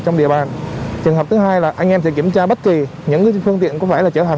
trong địa bàn trường hợp thứ hai là anh em sẽ kiểm tra bất kỳ những phương tiện có phải là chở hàng